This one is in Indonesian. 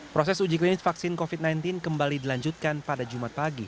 proses uji klinis vaksin covid sembilan belas kembali dilanjutkan pada jumat pagi